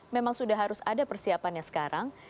memang sudah harus ada persiapannya sekarang